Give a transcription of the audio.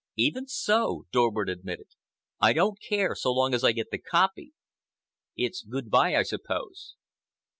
"Even so," Dorward admitted, "I don't care so long as I get the copy. It's good bye, I suppose?"